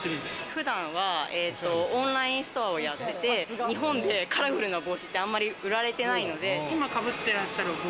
普段はオンラインストアをやってて、日本でカラフルな帽子ってあんまり売られてないので。